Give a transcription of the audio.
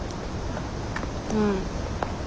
うん。